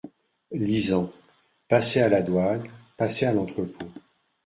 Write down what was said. Lisant. "Passer à la douane, passer à l’entrepôt.